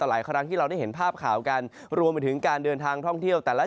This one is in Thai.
หลายครั้งที่เราได้เห็นภาพข่าวกันรวมไปถึงการเดินทางท่องเที่ยวแต่ละ